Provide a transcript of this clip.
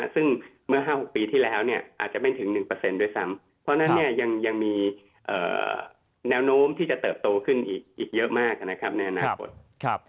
ซึ่งเมื่อ๕๖ปีที่แล้วอาจจะไม่ถึง๑ด้วยซ้ำเพราะฉะนั้นยังมีแนวโน้มที่จะเติบโตขึ้นอีกเยอะมากนะครับในอนาคต